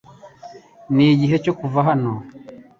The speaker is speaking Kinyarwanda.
Nigihe cyo kuva hano .